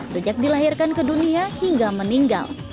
sejak dilahirkan ke dunia hingga meninggal